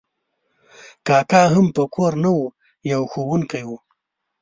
کاکا هم په کور نه و، یو ښوونکی و.